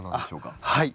はい。